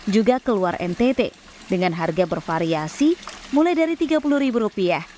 juga keluar ntt dengan harga bervariasi mulai dari rp tiga puluh